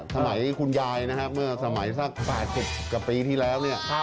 สมัยคุณยายนะครับเมื่อสมัยสัก๘๐กับปีที่แล้วเนี่ย